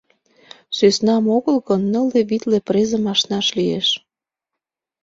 Сӧснам огыл гын, нылле-витле презым ашнаш лиеш.